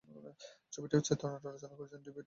ছবিটির চিত্রনাট্য রচনা করেছেন ডেভিড সেইডলার।